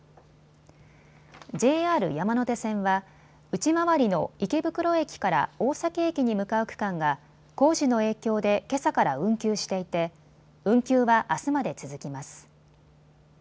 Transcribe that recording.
ＪＲ山手線は内回りの池袋駅から大崎駅に向かう区間が工事の影響でけさから運休していて運休はあすまで続きます。